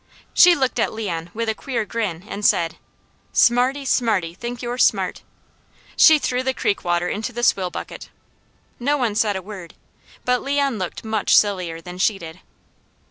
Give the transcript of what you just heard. She looked at Leon with a queer grin and said: "Smarty, smarty, think you're smart!" She threw the creek water into the swill bucket. No one said a word, but Leon looked much sillier than she did.